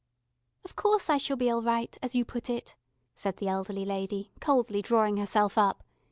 "Of course I shall be all right, as you put it," said the elderly lady, coldly drawing herself up.